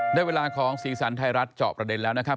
ได้เวลาของสีสันไทยรัฐเจาะประเด็นแล้วนะครับ